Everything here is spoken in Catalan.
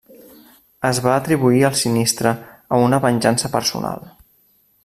Es va atribuir el sinistre a una venjança personal.